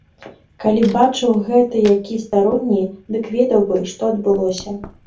Калі б бачыў гэта які старонні, дык ведаў бы, што адбылося.